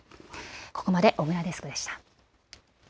ここまで小椋デスクでした。